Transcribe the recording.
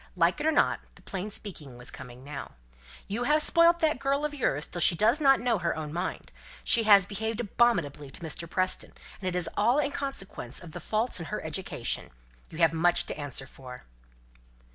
Like it or not, the plain speaking was coming now. "You have spoilt that girl of yours till she does not know her own mind. She has behaved abominably to Mr. Preston; and it is all in consequence of the faults in her education. You have much to answer for."